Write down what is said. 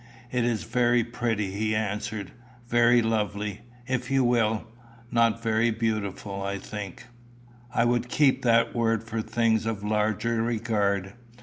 "It is very pretty," he answered "very lovely, if you will not very beautiful, I think. I would keep that word for things of larger regard.